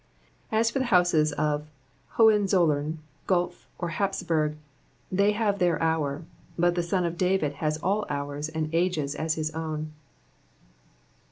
As for the houses of Hobenzollern, Guelph, or Hapsburg, Ihey have their hour ; but the Son of David has all hours and ages as bis own.